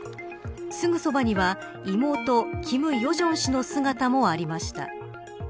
すぐそばには、妹金与正氏の姿もありました。